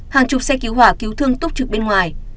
hàng chục xe cứu hỏa cứu thương túc trực bên ngoài